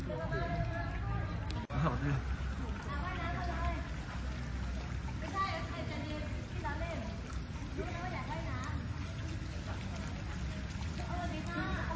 ตัดใต้น้ำแล้วซึ่งมาทั้งหมดน่ะอร่อยด้วย